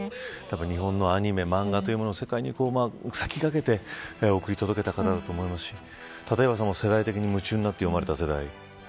日本のアニメ漫画というものを世界に先駆けて送り届けた方だと思いますし立岩さんも、世代的に夢中になって読まれた世代。